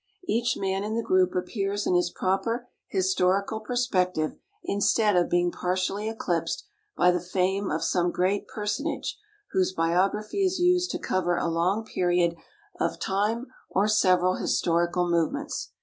Each man in the group appears in his proper historical perspective instead of being partially eclipsed by the fame of some great personage whose biography is used to cover a long period of time or several historical movements.